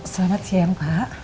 selamat siang pak